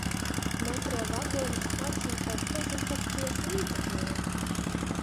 Metro vagoni smaržo pēc dezinfekcijas līdzekļiem.